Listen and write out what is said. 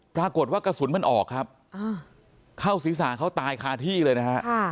ปรากฏว่ากระสุนมันออกครับเข้าศีรษะเขาตายคาที่เลยนะฮะ